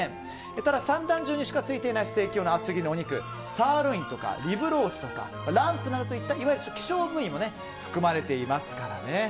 ただ、三段重にしかついていないステーキ用の厚切り肉サーロインとかリブロースとかランプなどの希少部位も含まれていますからね。